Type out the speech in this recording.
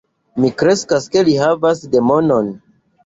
Mi kredas ke li havas demonon.